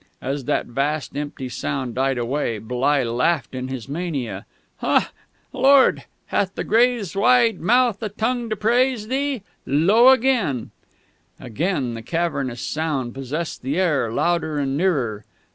As that vast empty sound died away, Bligh laughed in his mania. "Lord, hath the grave's wide mouth a tongue to praise Thee? Lo, again " Again the cavernous sound possessed the air, louder and nearer.